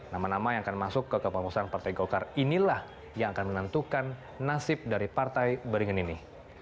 nama nama yang akan masuk ke kepengurusan partai golkar inilah yang akan menentukan nasib dari partai beringin ini